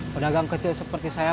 pedagang kecil seperti saya